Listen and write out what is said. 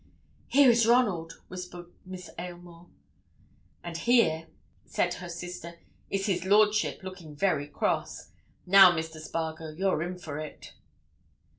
"Here is Ronald," whispered Miss Aylmore. "And here," said her sister, "is his lordship, looking very cross. Now, Mr. Spargo, you're in for it."